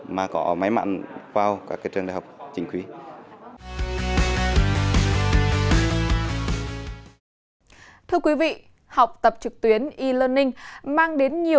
mà có may mắn vào các bạn